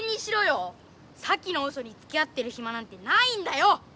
サキのウソにつきあってるひまなんてないんだよ！